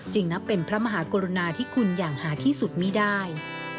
จึงนับเป็นพระมหากรณาที่คุณอย่างหาที่สุดมีดาย